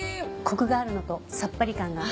コクがあるのとさっぱり感が。